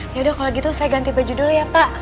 yaudah kalau gitu saya ganti baju dulu ya pak